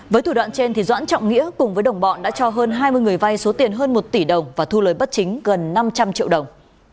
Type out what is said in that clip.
với thủ đoạn trên doãn trọng nghĩa cùng với đồng bọn đã cho hơn hai mươi người vay số tiền hơn một tỷ đồng và thu lời bất chính gần năm trăm linh triệu đồng